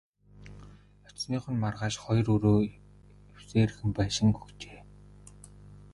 Очсоных нь маргааш хоёр өрөө эвсээрхэн байшин өгчээ.